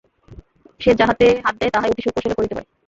সে যাহাতে হাত দেয় তাহাই অতি সুকৌশলে করিতে পারে।